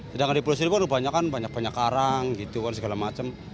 sedangkan di pulau seribu kan banyak banyak karang gitu kan segala macam